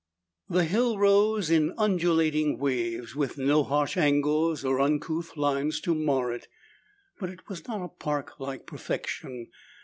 The hill rose in undulating waves, with no harsh angles or uncouth lines to mar it. But it was not a park like perfection.